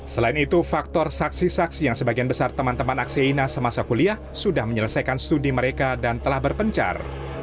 selain itu faktor saksi saksi yang sebagian besar teman teman aksi ina semasa kuliah sudah menyelesaikan studi mereka dan telah berpencar